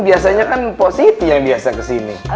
biasanya kan pak siti yang biasa kesini